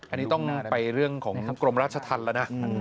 อันนี้ต้องไปเรื่องของกรมราชธรรมแล้วนะ